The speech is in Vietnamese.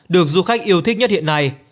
được du khách yêu thích nhất hiện nay